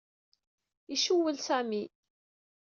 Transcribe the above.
Icewwel Sami.